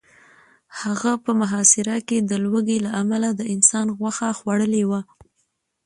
هغه په محاصره کې د لوږې له امله د انسان غوښه خوړلې وه